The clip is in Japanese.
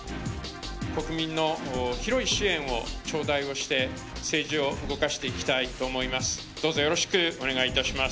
国民の広い支援を頂戴をして、政治を動かしていきたいと思います。